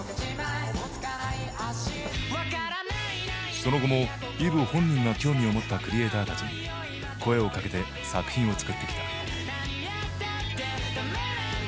その後もＥｖｅ本人が興味を持ったクリエーターたちに声をかけて作品を作ってきた。